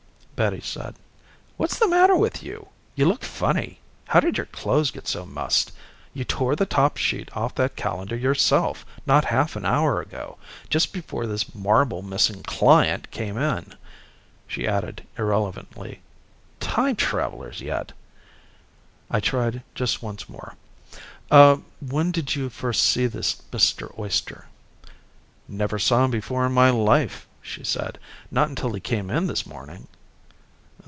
Betty said, "What's the matter with you? You look funny. How did your clothes get so mussed? You tore the top sheet off that calendar yourself, not half an hour ago, just before this marble missing client came in." She added, irrelevantly, "Time travelers yet." I tried just once more. "Uh, when did you first see this Mr. Oyster?" "Never saw him before in my life," she said. "Not until he came in this morning."